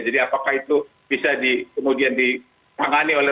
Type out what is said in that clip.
jadi apakah itu bisa kemudian dipangani oleh